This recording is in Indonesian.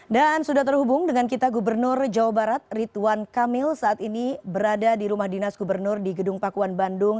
dan sudah terhubung dengan kita gubernur jawa barat ritwan kamil saat ini berada di rumah dinas gubernur di gedung pakuan bandung